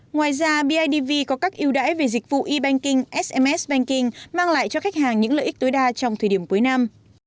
ngoài ra bidv có các yêu đãi về dịch vụ e banking sms banking mang lại cho khách hàng những lợi ích tối đa trong thời điểm cuối năm